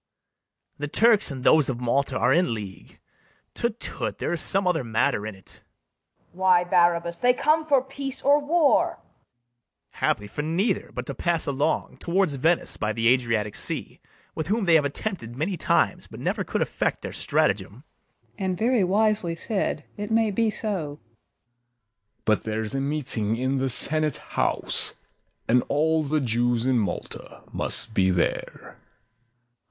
The Turks and those of Malta are in league: Tut, tut, there is some other matter in't. FIRST JEW. Why, Barabas, they come for peace or war. BARABAS. Haply for neither, but to pass along, Towards Venice, by the Adriatic sea, With whom they have attempted many times, But never could effect their stratagem. THIRD JEW. And very wisely said; it may be so. SECOND JEW. But there's a meeting in the senate house, And all the Jews in Malta must be there.